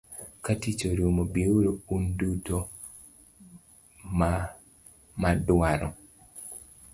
Katich orumo, bi uru un duto madwaro.